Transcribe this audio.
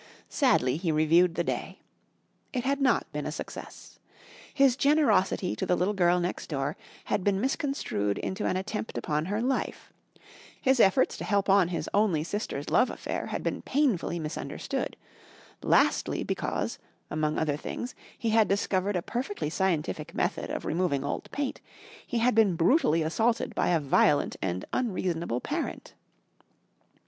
Sadly he reviewed the day. It had not been a success. His generosity to the little girl next door had been misconstrued into an attempt upon her life, his efforts to help on his only sister's love affair had been painfully misunderstood, lastly because (among other things) he had discovered a perfectly scientific method of removing old paint, he had been brutally assaulted by a violent and unreasonable parent.